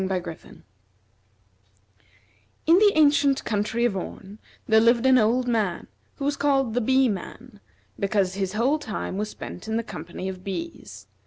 In the ancient country of Orn, there lived an old man who was called the Bee man, because his whole time was spent in the company of bees.